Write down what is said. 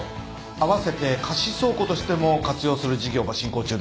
併せて貸倉庫としても活用する事業ば進行中です。